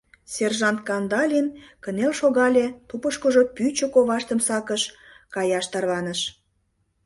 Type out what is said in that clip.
Сержант Кандалин кынел шогале, тупышкыжо пӱчӧ коваштым сакыш, каяш тарваныш.